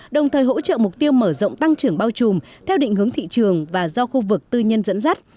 đồng thời hỗ trợ mục tiêu mở rộng tăng trưởng bao trùm theo định hướng thị trường và do khu vực tư nhân dẫn dắt